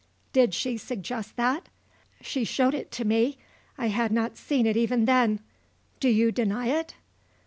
"Did she suggest that?" "She showed it to me. I had not seen it even then. Do you deny it?"